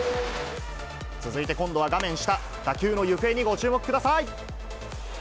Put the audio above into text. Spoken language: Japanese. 続いて今度は画面下、打球の行方にご注目ください。